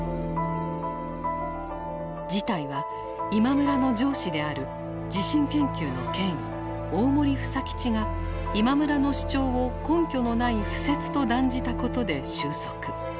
事態は今村の上司である地震研究の権威大森房吉が今村の主張を根拠のない浮説と断じたことで収束。